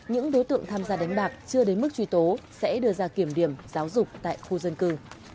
những đối tượng tham gia đánh bạc chưa đến mức truy tố sẽ đưa ra kiểm điểm giáo dục tại khu dân cư